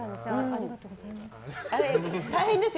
ありがとうございます。